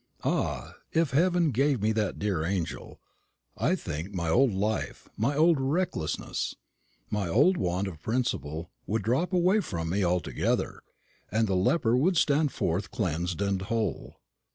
Ah, if Heaven gave me that dear angel, I think my old life, my old recklessness, my old want of principle, would drop away from me altogether, and the leper would stand forth cleansed and whole.